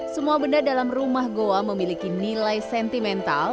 semua benda dalam rumah goa memiliki nilai sentimental